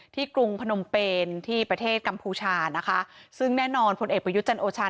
กรุงพนมเปนที่ประเทศกัมพูชานะคะซึ่งแน่นอนผลเอกประยุทธ์จันโอชา